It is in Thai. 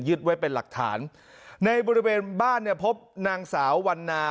ไว้เป็นหลักฐานในบริเวณบ้านเนี่ยพบนางสาววันนา